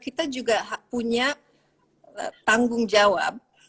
kita juga punya tanggung jawab